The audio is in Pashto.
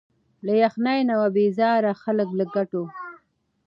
له یخنیه وه بېزار خلک له ګټو